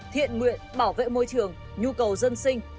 thiện nguyện bảo vệ môi trường nhu cầu dân sinh